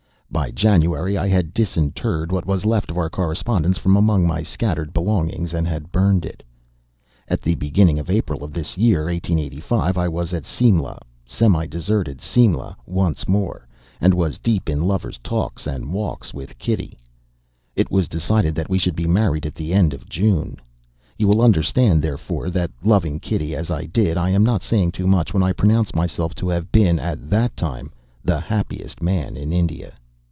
By January I had disinterred what was left of our correspondence from among my scattered belongings and had burned it. At the beginning of April of this year, 1885, I was at Simla semi deserted Simla once more, and was deep in lover's talks and walks with Kitty. It was decided that we should be married at the end of June. You will understand, therefore, that, loving Kitty as I did, I am not saying too much when I pronounce myself to have been, at that time, the happiest man in India.